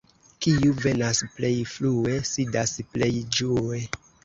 Kiu venas plej frue, sidas plej ĝue.